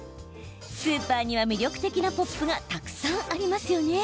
スーパーには魅力的なポップがたくさんありますよね。